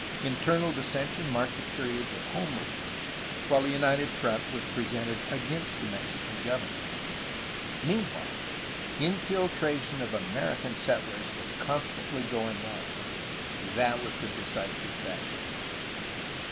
Internal dissension marked the periods of home rule, while a united front was presented against the Mexican governors. Meanwhile, infiltration of American settlers was constantly going on. That was the decisive factor.